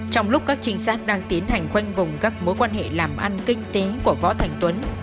trong lúc các trinh sát đang tiến hành khoanh vùng các mối quan hệ làm ăn kinh tế của võ thành tuấn